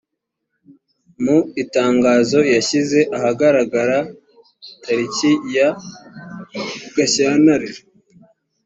mu itangazo yashyize ahagaragara tariki ya… gashyantare